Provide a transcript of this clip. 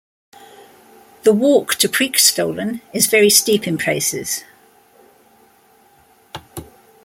The walk to Preikestolen is very steep in places.